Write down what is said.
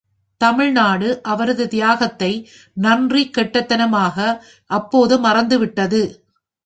தமிழ்நாடு அவரது தியாகத்தை நன்றி கெட்டத்தனமாக அப்போது மறந்துவிட்டது.